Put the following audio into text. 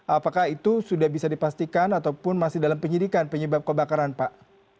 apakah itu sudah bisa dipastikan ataupun masih dalam penyidikan penyebab kebakaran pak